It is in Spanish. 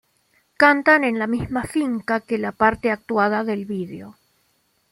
Cantan en la misma finca que la parte actuada del vídeo.